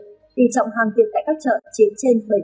tỷ trọng hàng tiện tại các chợ chiến trên bảy mươi